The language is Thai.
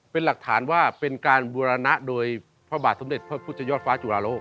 เป็นหลักฐานว่าเป็นการบูรณะโดยพระบาทสมเด็จพระพุทธยอดฟ้าจุลาโล